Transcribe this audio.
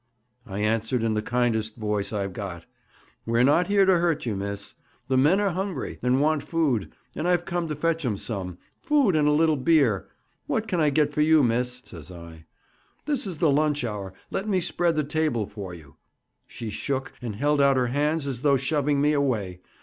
I answered in the kindest voice I've got: "We're not here to hurt you, miss. The men are hungry, and want food, and I've come to fetch 'em some food and a little beer. What can I get for you, miss?" says I. "This is the luncheon hour. Let me spread the table for you." She shook, and held out her hands as though shoving me away.